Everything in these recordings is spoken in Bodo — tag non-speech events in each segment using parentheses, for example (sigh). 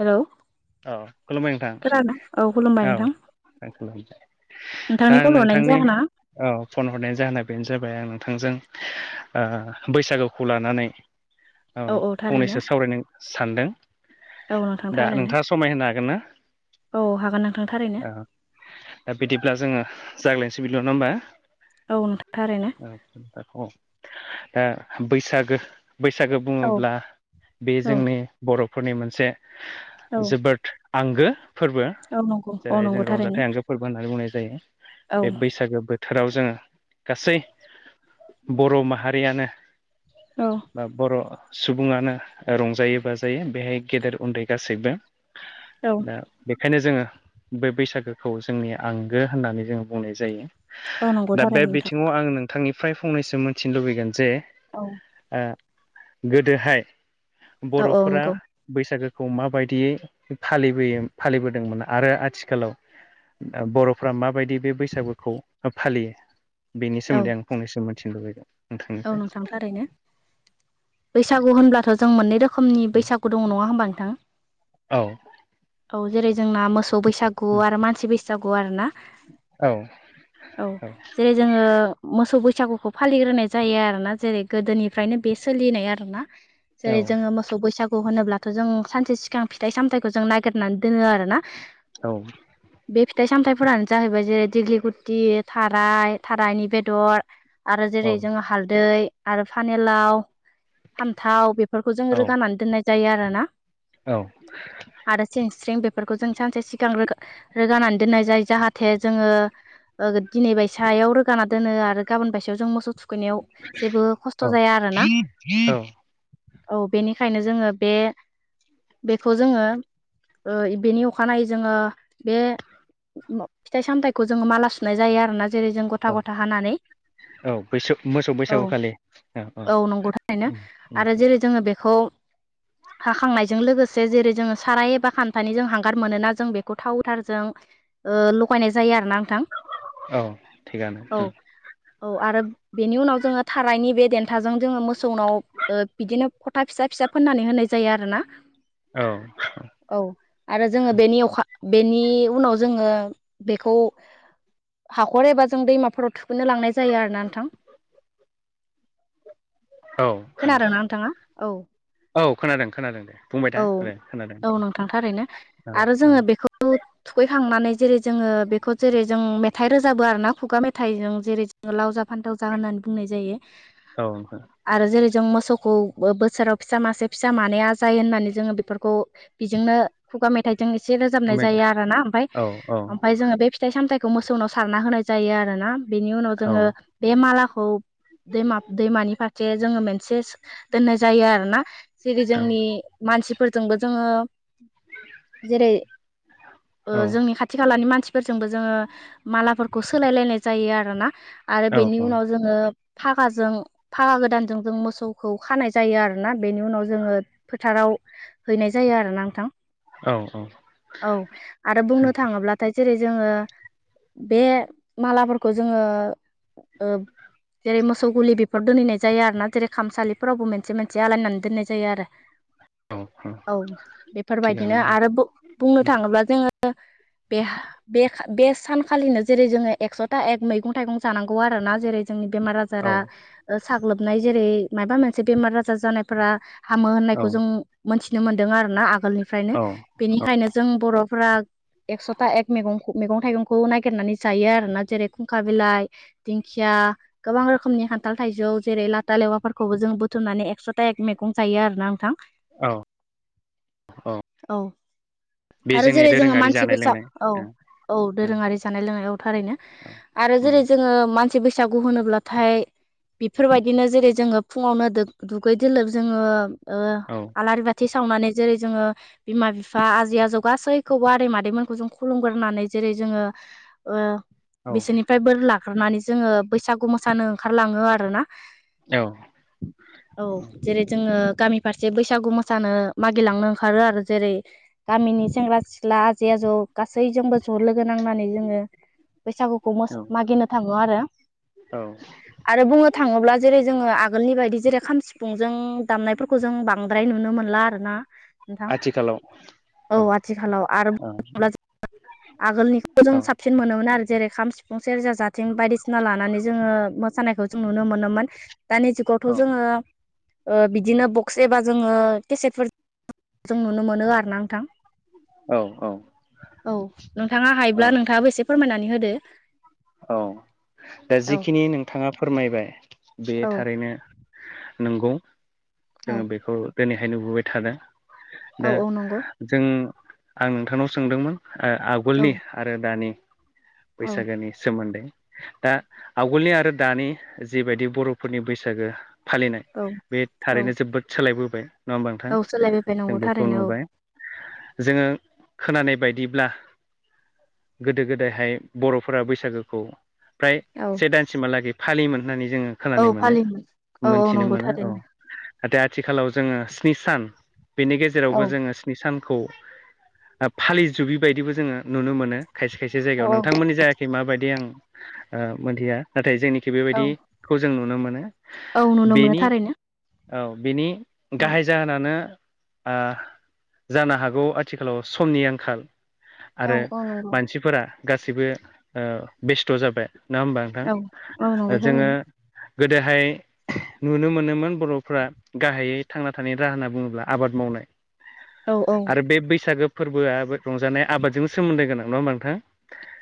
हेल' औ खुलुमबाय औ खुलुमबाय नोंथां नोंथां औ खालाम दा नोंथांनि आं कल हरनायनि नोंथांनि जाहोना औ फन हरनायनि जाहोना बेनो जाबाय आं नोंथांजों ओ बैसागुखौ लानानै औ औ थारैनो फंनैसो सावरायनो सानदों। औ नोंथां थारैनो थांआ समाय होनो हागोन ना औ हागोन नोंथां थारैनो औ दा बिदिब्ला जोङो जाग्लायनोसै बिल' नङा होमबा औ नोंथां थारैनो दा बैसागो बैसागो औ बुङोब्ला बे औ जोंनि बर'फोरनि मोनसे औ जोबोद आंगो फोरबो औ नंगौ औ जेरैहाय नंगौ जों थारैनो रंजाथाइ आंगो फोरबो होननानै बुंनाय जायो औ बे बैसागो बोथोराव जोङो गासै बर' माहारियानो औ बा बर' सुबुङानो रंजायो बाजायो बेहाय गेदेर उन्दै गासैबो औ दा बेखायनो जोङो बै बैसागोखौ जोंनि आंगो होननानै जोङो बुंनाय जायो औ नंगौ दा बे थारैनो नोंथां बिथिङाव आं नोंथांनिफ्राय फंनैसो मिथिनो लुबैगोन जे औ ओ गोदोहाय औ औ बर'फोरा नंगौ बैसागोखौ माबायदियै फालिबोयो फालिबोदोंमोन आरो आथिखालाव बर'फ्रा माबायदि बे बैसागुखौ फालियो बेनि औ सोमोन्दै आं फंनैसो मोनथिनो लुबैदों औ नोंथांनिफ्राय नोंथां थारैनो बैसागु होनब्लाथ' जों मोननै रोखोम नि बैसागु दङ नङा होमबा नोंथां औ औ जेरै जोंना मोसौ बैसागु आरो मानसि बैसागु आरो ना औ औ जेरै जोङो मोसौ बैसागुखौ फालिग्रोनाय जायो आरोना जेरै गोदोनिफ्रायनो बे सोलिनाय आरोना जेरै जोङो मोसौ बैसागु खौ होनोब्लाथ' जों सानसे सिगां फिथाइ सामथाइखौ जों नागिरनानै दोनो आरो ना। औ बे फिथाइ सामथाइफोरानो जाहैबाय जेरै दिग्लि गुथि थाराय थारायनि बेदर आरो औ जेरै जोंङो हालदै आरो फानिलाव फान्थाव बे फोरखौ जों रोगानानै दोननाय जायो आरोना। औ आरो सें स्रिं बेफोरखौ जों सानसे सिगांग्रो रोगानानै दोननाय जायो जाहाथे जोंङो ओग दिनै बायसायाव रोगाना दोनो आरो गाबोन बायसायाव जों मोसौ थु थुखैनायाव जेबो औ खस्थ' जाया आरोना। औ बेनिखायनो जोंङो बे बेखौ जोंङो ओ बेनि अखानायै जोंङो बे फिथाइ सामथायाइखौ जोंङो माला सुनाय जायो आरो ना जेरै जों औ गथा गथा हानानै औ बैसो मोसौ औ बैसागु खालि औ औ नंगौ थारैनो आरो जेरै जोंङो बेखौ हाखांनायजों लोगोसे जेरै जोंङो साराय एबा खान्थानि जों हांगार मोनोना जों बेखौ थाव गोथारजों ओ लगायनाय जायो आरोना नोंथां। औ थिगानो औ हो औ आरो बेनि उनाव जोंङो थारायनि बे देन्थाजों जोंङो मोसौनाव ओ बिदिनो फथा फिसा फिसा फोननानै होनाय जायो आरो ना। औ औ आरो जोंङो बेनि अखा बेनि उनाव जोंङो बेखौ हाखर एबा जों दैमाफोराव थुखैनो लांनाय जायो आरो ना नोंथां। औ औ खोनादोंना नोंथांङा औ औ खोनादों खोनादों दे बुंबाय था औ दे खोनादों औ नोंथां थारैनो आरो औ जोंङो बेखो (unintelligible) थुखैखांनानै जेरै जोंङो बेखौ जेरै जों मेथाइ रोजाबो आरो ना खुगा मेथाइजों जेरै जों लाव जा फान्थाव जा होननानै बुंनाय जायो। औ आरो जेरै जों मोसौखौ बोसोराव फिसा मासे फिसा मानाया जायो होननानै जोंङो बेफोरखौ बिजोंनो खुगा मेथाइजों एसे रोजाबनाय ओमफ्राय दा जायो आरोना ओमफाय औ औ ओमफाय जोंङो बे फिथाइ सामथाइखौ मोसौनाव सारना होनाय जायो आरो ना बेनि उनाव औ जोंङो बे मालाखौ दैमा दैमानि फारसे जोंङो मोनसे दोननाय जायो आरोना। जेरै औ जोंनि मानसिफोरजोंबो जोंङो जेरै ओ औ जोंनि खाथ थि खालानि मानसिफोरजोंबो जोंङो मालाफोरखौ सोलायलायनाय जायो आरोना आरो औ बेनि उनाव जोंङो फागाजों फागा गोदानजों जों मोसौखौ खानाय जायो आरो। ना बेनि उनाव जोंङो फोथाराव हैनाय जायो आरोना नोंथां। औ औ औ आरो बुंनो थांङोब्लाथाय जेरै जोंङो। बे मालाफोरखौ जोंङो ओब जेरै मोसौ गुलि बेफोर दोनहैनाय जायो आरो ना जेरै खामसालिफोरावबो मोनसे मोनसे आलायनानै दोननाय जायो आरो। (inaudible) औ थिगानो बेफोरबायदिनो आरो बुं बुंनोथांङोब्ला जोंङो यो बेह बे सानखालिनो जेरै जोंङो एकस'था एक मैगं थाइगं जानां गौ आरोना जेरै जोंनि बेमार औ आजारा ओ साग्लोबनाय जेरै माबा मोनसे बेमार आजार जानायफोरा हामो औ होननायखौ जों मोनथिनो मोनदों आरो ना आगोलनिफ्रायनो औ बेनिखायनो जों बर'फ्रा एकस'था एक मैगं-मैगं थाइगंखौ ननायागिरनानै जायो आरो ना जेरै -खुंखा बिलाइ दिंखिया, गोबां रोखोमनि खान्थाल -थाइजौ जेरै लाथा लेवाफोरखौबो जों बुथुमनानै एकस' थक मैगं जायो आरो ना नोंथां। औ औ बे आरो जोंनि जेरै जोङो दोरोङारि मानसि जानाय बैसाग लोंनाय औ औ दोरोङारि जानाय लोंनायाव थारैनो औ आरो जेरै जोङो मानसि बैसागु होनोब्लाथाय बेफोरबायदिनो जेरै जोङो फुङावनो दोग दुगै दोलोब जोङो औ आलारि बाथि सावनानै जेरै जोङो बिमा-बिफा आजै-आजौ गासैखौबो आदै-मादैमोनखौ जों खुलुमगोरोनानै जेरै जोङो बिसोरनिफ्राय बोर लाग्रानै जोङो बैसागु मोसानो ओंखारलाङो आरोना। औ औ जेरै जोङो गामि फारसे बैसागु मोसानो मागिलांनो ओंखारो आरो जेरै गामिनि सेंग्रा सिख्ला आजै आजौ गासैजोंबो ज' लोगो नांनानै जोङो बैसागुखौ औ मागिनो थाङो आरो औ आरो बुंनो थाङोब्ला जेरै जोङो आगोलनि बायदि जेरै खाम, सिफुंजों दामनायफोरखौ खौ जों बांद्राय नुनो मोनला आरो ना। नोंथां आथिखालाव औ आथिखालाव आरो औ बुं आगोलनिखौ औ जों साबसिन मोनोमोन आरो जेरै खाम, सिफुं सेरजा, जाथिं बायदिसिना लानानै जोङो मोसानायखौ जों नुनो मोनोमोन दानि जुगावथ' जोङो बिदिनो बक्स एबा जोङो केसेटफोर जों नुनो मोनो आरोना नोंथां औ औ औ नोंथाङा औ हायोब्ला नोंथाङाबो एसे फोरमायनानै होदो औ दा औ जिखिनि नोंथाङा फोरमायबाय बे औ थारैनो नंगौ औ जोङो बेखौ दिनैहाय नुबोबाय थादों। औ दा औ नंगौ जों आं नोंथांनाव सोंदोंमोन औ आगोलनि आरो दानि औ बैसागोनि सोमोन्दै दा आगोलनि आरो दानि जिबायदि बर'फोरनि बैसागो फालिनाय औ बे औ थारैनो जोबोद सोलायबोबाय नङा होमबा नोंथां औ सोलायबोबाय जों नंगौ बेखौ थारैनो औ नुबाय जोङो खोनानाय बायदिब्ला गोदो गोदायहाय बर'फोरा बैसागु बैसागोखौ फ्राय औ से दानसिमहालागै फालियोमोन होननानै जोङो औ खोनानो मोनो फालियोमोन औ औ मोनथिनो नंगौ मोनो औ थारैनो नाथाय आथिखालाव जोङो स्नि सान बेनि औ गेजेरावबो जोङो नि सानखौ फालिजोबि बायदिबो जोङो नुनो मोनो खायसे खायसे औ जायगायाव नोंथांमोननि जायगाखै माबायदि आं ओ मोनथिया नाथाय जोंनिखि औ बेबायदि खौ जों नुनो मोनो औ नुनो मोनो बेनि थारैनो औ बेनि औ गाहाय जाहोनानो आ जानो हागौ आथिखालाव समनि आंखाल औ आरो औ नंगौ मानसिफोरा गासैबो ओ बेस्थ' जाबाय नङा होमबा नोंथां औ औ नंगौ ओ जोङो थारैनो गोदोहाय नुनो मोनोमोन बर'फ्रा गाहायै थांना थानायनि राहा होनना बुङोब्ला आबाद मावनाय औ औ आरो बे बैसागो फोरबोआ रंजानाय आबादजों सोमोन्दो गोनां नङा होमबा नोंथां?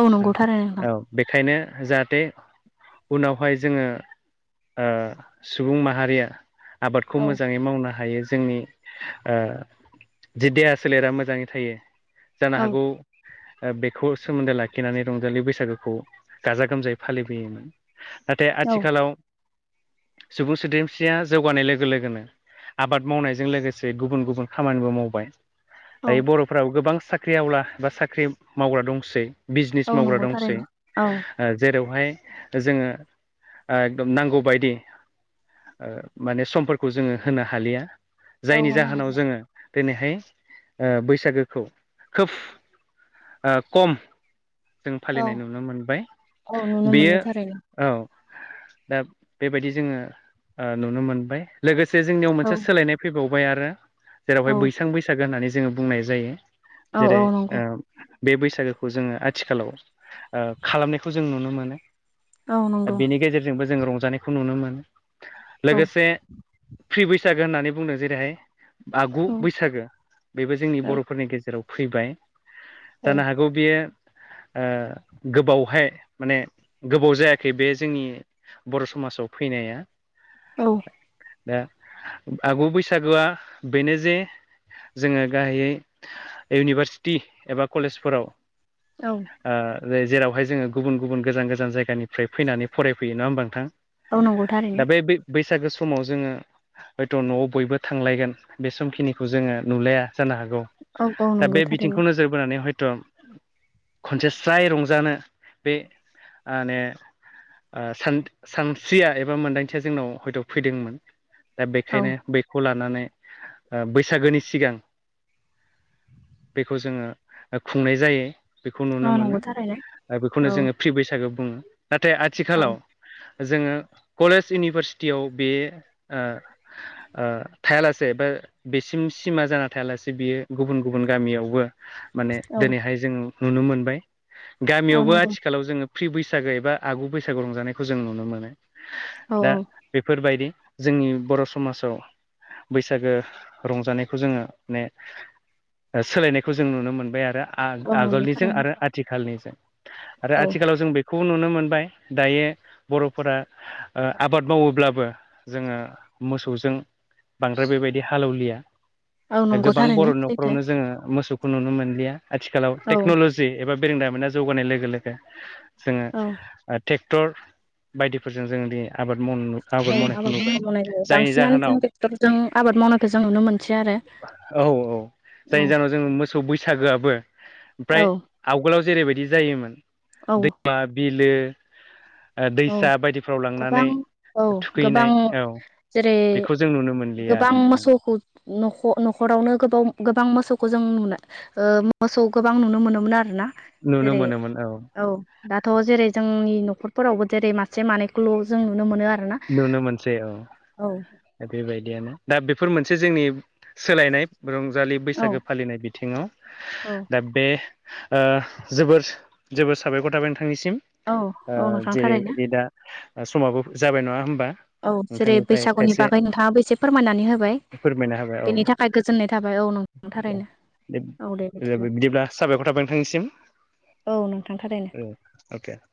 औ नोंगौ थारो नोंथां। अ बेखायनो जाहाथे उनावहाय जोङो ओ सुबुं माहारिया आबादखौ औ मोजाङै मावनो हायो जोंनि ओ जि देहा सोलेरा मोजाङै थायो जानो औ हागौ ओ बेखौ सोमोन्दो लाखिनानै रंजालि बैसागोखौ गाजा गोमजायै फालिबोयोमोन। नाथाय आथिखालाव सुबुं सोद्रोमसिया जौगानाय लोगो लोगोनो आबाद मावनायजों लोगोसे गुबुन गुबुन खामानिबो मावबाय दायो बर'फोराबो गोबां साख्रि आवला बा साख्रि मावग्रा दंसै औ बिजनिस मावग्रा नंगौ दं सै थारैनो ओ औ जेरावहाय जोङो आ एकदम नांगौ बायदि ओ माने समफोरखौ जोङो होनो हालिया औ जायनि होनो जाहोनाव हागोन जोङो दिनैहाय ओ बैसागोखौ खोफ ओ खम जों औ फालिनाय नुनो मोनबाय औ नुनो बेयो मोनो थारैनो औ दा बेबायदि जोङो ओ नुनो मोनबाय। लोगोसे जोंनियाव औ मोनसे सोलायनाय फैबावबाय आरो औ जेरावहाय बैसां बैसागो होननानै जोङो बुंनाय जायो। औ जेरै औ नंगौ ओ बे बैसागोखौ जोङो आथिखालाव ओ खालामनायखौ जों नुनो मोनो औ नंगौ बेनि गेजेरजोंबो जों रंजानायखौ नुनो मोन। औ लोगोसे फ्रि बैसागो होननानै बुंदों जेरैहाय आगु औ बैसागो बेबो जोंनि बर'फोरनि गेजेराव फैबाय। दाना हागौ बे ओ गोबावहाय माने गोबाव जायाखै बे जोंनि बर' समासाव फैनाया औ। दा आगु बैसागोआ बेनो जे जोङो गाहायै इउनिभारसिटि एबा कलेजफोराव औ। ओ जेरावहाय जोङो गुबुन गुबुन गोजान गोजान जायगानिफ्राय फैनानै फरायफैयो नङा होमबा नोंथां? औ नंगौ थारैनो दा बे बै बैसागो समाव जोङो हयथ' न'आव बयबो थांलायगोन बे समखिनिखौ जोङो नुलाया जानो हागौ। औ औ दा नंगौ बे थारैनो बिथिंखौ नोजोर बोनानै हयथ' खनसे स्राय रंजानो बे आने आ सान-सानस्रिया एबा मोनदांथिया जोंनाव हयथ' फैदोंमोन। दा औ बेखायनो बैखौ लानानै ओ बैसागोनि सिगां बेखौ जोङो ओ खुंनाय जायो। बेखौ औ नुनो मोनो नंगौ थारैनो औ बेखौनो जोङो फ्रि बैसागो बुङो नाथाय औ आथिखालाव जोङो कलेज इउनिभारसिटियाव बे ओ ओ थायालासे बा बेसिम सिमा जाना थायालासे बियो गुबुन गुबुन गामियावबो माने औ दिनैहाय जों नुनो मोनबाय औ गामियावबो नंगौ आथिखालाव जोङो फ्रि बैसागो एबा आगु बैसागो रंजानायखौ जों नुनो मोनो। औ औ दा बेफोरबायदि जोंनि बर' समाजआव बैसागो रंजानायखौ जोङो माने ओ सोलायनायखौ जों नुनो मोनबाय आरो आ औ नंगौ आगोलनिजों थारैनो आरो आथिखालनिजों आरो औ आथिखालाव जों बे खौ नुनो मोनबाय दायो बर'फोरा ओ आबाद मावोब्लाबो जोङो मोसौजों बांद्राय बेबायदि हालेवलिया। औ नंगौ गोबां थारैनो बर'नि सैथो नखरावनो जोङो मोसौ खौ नुनो मोनलिया आथिखालाव औ टेक्न'लजि एबा बेरोंदामिना जौगानाय लोगो लोगो औ जोङो ट्रेक्टर बायदि फोरजों जों दिनै आबाद माव आबाद मावनायखौ नुुबाय आबादफोरखौ मावनाय जायो जायनि बांसिनानो जाहोनाव जों ट्रेक्टरजों आबाद मावनायखौ जों नुनो मोनसै आरो औ औ औ जायनि जाहोनाव जोङो मोसौ बैसागोआबो ओमफ्राय औ आवगोलाव जेरैबायदि जायोमोन औ दैमा बिलो ओ औ दैसा बायदिफ्राव लांनानै गोबां औ गोबां थुखैनाय औ जेरै बेखौ जों नुनो मोनलिया गोबां आरो मोसौखौ न'ख'- नखरावनो गोबाव गोबां मोसौखौ जों नुनो ओ मोसौ गोबां नुनो मोनोमोन आरो ना। नुनो जेरै मोनोमोन औ दाथ' जेरै जोंनि न'खर फोरावबो जेरै मासे मानैखौल' जों नुनो मोनो आरो ना। नुनो मोनसै औ दा बेबायदियानो दा बेफोर मोनसे जोंनि सोलायनाय रंजालि औ बैसागो फालिनाय बिथिङाव। औ दा बे ओह जोबोर जोबोर साबायखर थाबाय नोंथांनिसिम। औ दा औ ओ नोंथां थारैनो जेरैबायदि दा समाबो जाबाय नङा होमबा? औ जेरै नोंथांनिफ्राय बैसागुनि खायसे बागै नोंथाङाबो एसे फोरमायनानै होबाय फोरमायना होबाय औ बेनि थाखाय गोजोननाय थाबाय औ नों थारैनो दे बिदिब्ला साबायखर थाब नोंथांनिसिम औ नोंथां थारैनो औ हागोन